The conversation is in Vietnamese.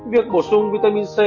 việc bổ sung vitamin c